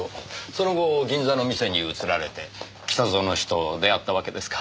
その後銀座の店に移られて北薗氏と出会ったわけですか。